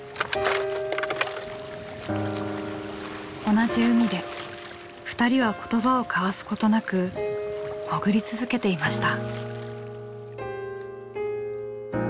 同じ海で二人は言葉を交わすことなく潜り続けていました。